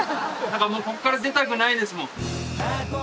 何かもうこっから出たくないですもん